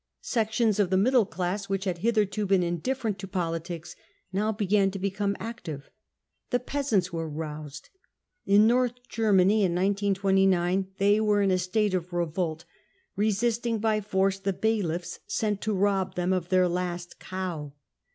Sections of the middle class which had hitherto been indifferent to politics now began to become active. The peasants were roused. In North Ger many in 1929 they were in a state of revolt, resisting by force the bailiffs sent to rob them of their last cow.